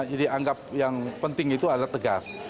jadi anggap yang penting itu adalah tegas